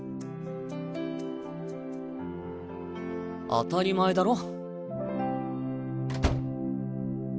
当たり前だろ。